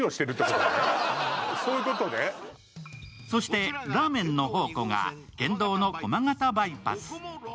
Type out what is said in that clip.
そしてラーメンの宝庫が県道の駒形バイパス。